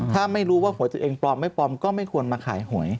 ถ้าไม่รู้ว่าหวยตัวเองปลอมไม่ปลอมก็ไม่ควรมาขายหวย